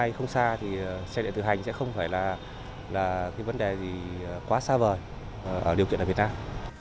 và tôi tin chắc chắn rằng là trong tương lai không xa thì xe điện tự hành sẽ không phải là cái vấn đề gì quá xa vời ở điều kiện ở việt nam